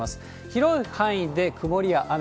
広い範囲で曇りや雨。